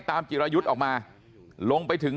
จิรายุทธ์ออกมาลงไปถึง